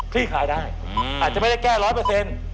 ลี่คลายได้อาจจะไม่ได้แก้ร้อยเปอร์เซ็นต์